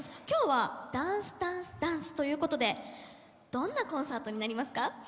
今日は「ダンスダンスダンス」ということでどんなコンサートになりますか？